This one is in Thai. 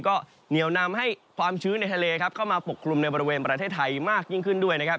ก็เหนียวนำให้ความชื้นในทะเลครับเข้ามาปกคลุมในบริเวณประเทศไทยมากยิ่งขึ้นด้วยนะครับ